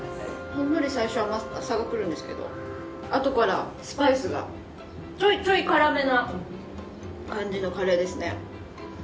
ほんのり最初甘さが来るんですけどあとからスパイスがちょいちょい辛めな感じのカレーですね。